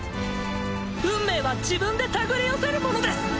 運命は自分で手繰り寄せるものです！